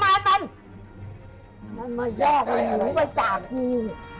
มันมายากหนูไปจากกู